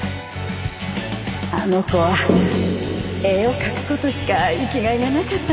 あの子は絵を描くことしか生きがいがなかったんです。